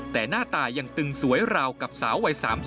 แต่หน้าตายังตึงสวยราวกับสาววัย๓๐